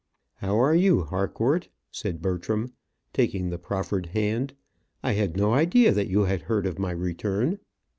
"How are you, Harcourt?" said Bertram, taking the proffered hand. "I had no idea that you had heard of my return."